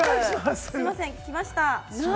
すみません、来ました。